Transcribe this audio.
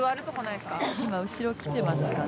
今、後ろ来てますかね。